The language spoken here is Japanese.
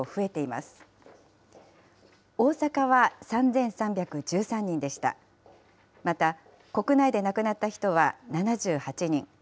また国内で亡くなった人は７８人。